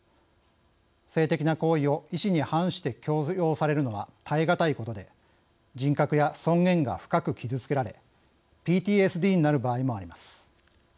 性的な行為を意思に反して強要されるのは耐え難いことで人格や尊厳が深く傷つけられＰＴＳＤになる場合もあります。